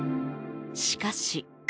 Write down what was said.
しかし。